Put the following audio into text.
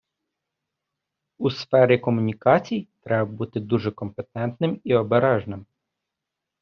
У сфері комунікацій треба бути дуже компетентним і обережним.